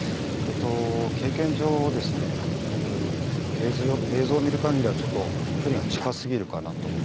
経験上ですね、映像を見る限り、ちょっと距離が近すぎるかなと。